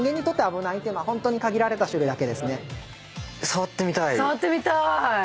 触ってみたい！